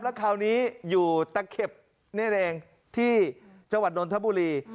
แล้วคราวนี้อยู่ตะเข็บนี่เองที่จังหวัดนนทบุรี